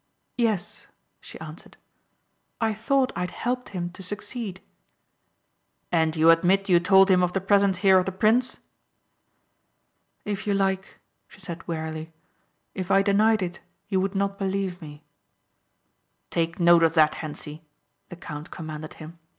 "Yes," she answered. "I thought I had helped him to succeed." "And you admit you told him of the presence here of the prince?" "If you like," she said wearily, "If I denied it you would not believe me." "Take note of that, Hentzi," the count commanded him.